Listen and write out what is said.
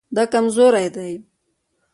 دا کمزوری دی